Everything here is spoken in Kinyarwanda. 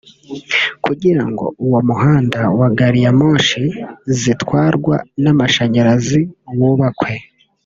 kugira ngo uwo muhanda wa gari ya moshi zitwarwa n’amashanyarazi wubakwe